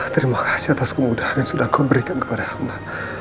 terima kasih atas kemudahan yang sudah kau berikan kepada allah